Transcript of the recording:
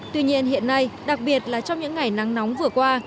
tuy nhiên hiện nay đặc biệt là trong những ngày nắng nóng vừa qua